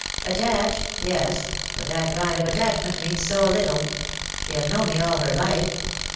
"*'" Attached ? yes ; but that kind of attachment means so little. She had known me all her life.